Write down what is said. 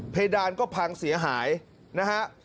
เพดานก็พังเสียหายนะฮะ